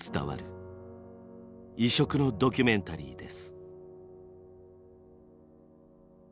異色のドキュメンタリーです。